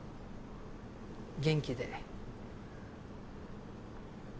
元気で。